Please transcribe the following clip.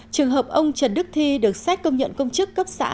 trường hợp ông trần đức thi được xét công nhận công chức cấp xã